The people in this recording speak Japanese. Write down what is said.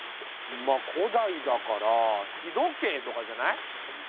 まあ古代だから日時計とかじゃない？